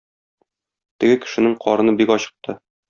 Теге кешенең карыны бик ачыкты.